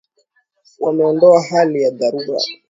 Wameondoa hali ya dharura.